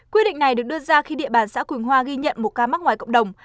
quyết định này được đưa ra khi địa bàn xã quỳnh hoa ghi nhận một ca mắc ngoài cộng đồng